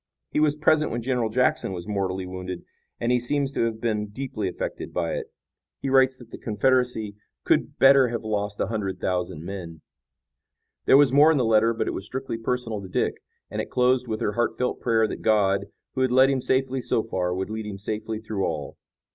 He was present when General Jackson was mortally wounded, and he seems to have been deeply affected by it. He writes that the Confederacy could better have lost a hundred thousand men." There was more in the letter, but it was strictly personal to Dick, and it closed with her heartfelt prayer that God, who had led him safely so far, would lead him safely through all.